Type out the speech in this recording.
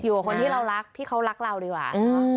กับคนที่เรารักที่เขารักเราดีกว่า